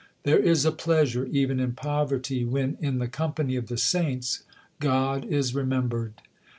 There is a pleasure even in poverty when in the company of the saints God is remembered.